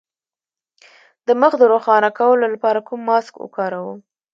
د مخ د روښانه کولو لپاره کوم ماسک وکاروم؟